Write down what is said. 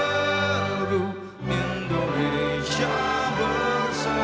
untuk indonesia raya